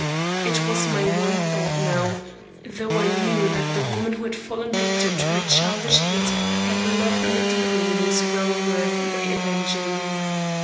It was my one thought now though I knew that the woman who had fallen victim to her childish hate had loved me deeply and was well worth my avenging.